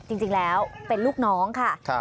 จริงแล้วเป็นลูกน้องค่ะ